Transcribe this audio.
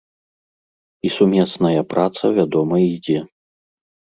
І сумесная праца, вядома, ідзе.